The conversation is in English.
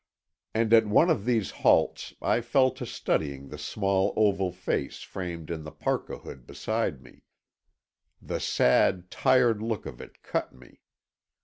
And at one of these halts I fell to studying the small oval face framed in the parka hood beside me. The sad, tired look of it cut me.